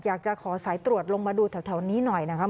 อยากจะขอสายตรวจลงมาดูแถวนี้หน่อยนะครับ